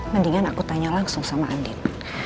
mendingan aku tanya langsung sama andin